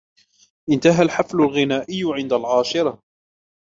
انتهى الحفل الغنائي عند العاشرة.